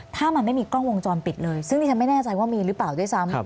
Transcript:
ถ้ามันไม่มีกล้องวงจรปิดเลยซึ่งดิฉันไม่แน่ใจว่ามีหรือเปล่าด้วยซ้ำ